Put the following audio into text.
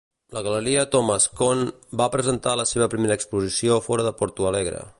La galeria Thomas Cohn va presentar la seva primera exposició fora de Porto Alegre.